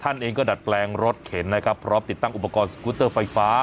ท่านเองก็ดัดแปลงรถเข็นนะครับพร้อมติดตั้งอุปกรณ์สกูเตอร์ไฟฟ้า